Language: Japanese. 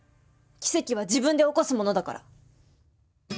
奇跡は自分で起こすものだから。